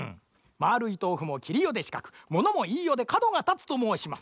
「まあるいとうふもきりようでしかくものもいいようでかどがたつ」ともうします。